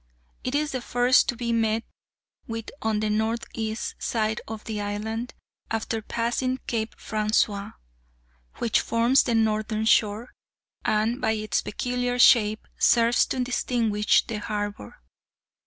It is the first to be met with on the northeast side of the island after passing Cape Francois, which forms the northern shore, and, by its peculiar shape, serves to distinguish the harbour.